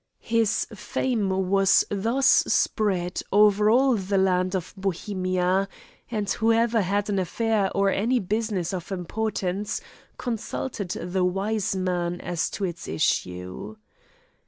His fame was thus spread over all the land of Bohemia, and whoever had an affair or any business of importance, consulted the wise man as to its issue.